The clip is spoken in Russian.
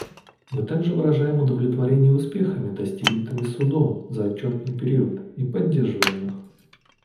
Мы также выражаем удовлетворение успехами, достигнутыми Судом за отчетный период, и поддерживаем их.